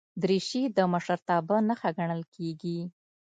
دریشي د مشرتابه نښه ګڼل کېږي.